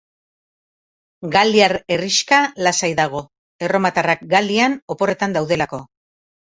Galiar herrixka lasai dago, erromatarrak Galian oporretan daudelako.